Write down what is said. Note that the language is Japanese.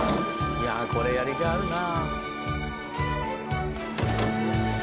いやこれやりがいあるな。